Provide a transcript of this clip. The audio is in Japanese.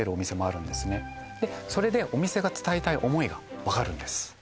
それでお店が伝えたい想いが分かるんです